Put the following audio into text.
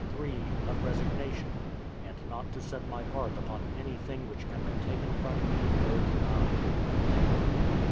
3. Of resignation; and not to set my heart upon anything which can be taken from me or denied.